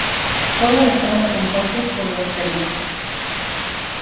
Todos los temas compuestos por Los Pericos.